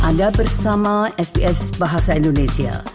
anda bersama sps bahasa indonesia